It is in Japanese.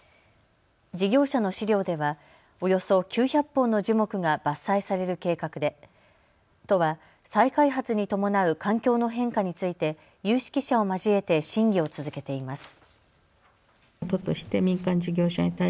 事業者の資料ではおよそ９００本の樹木が伐採される計画で都は再開発に伴う環境の変化について有識者を交えて審議を続けています。